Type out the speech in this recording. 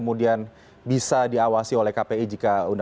pul kebebasan dekselasi pun tidak ada